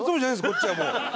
こっちはもう。